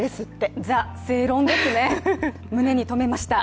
ＴＨＥ正論ですね、胸に止めました。